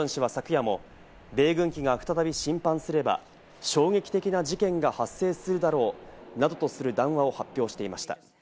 ヨジョン氏は昨夜も米軍機が再び侵犯すれば、衝撃的な事件が発生するだろうなどとする談話を発表していました。